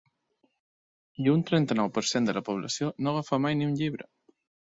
I un trenta-nou per cent de la població no agafa mai ni un llibre!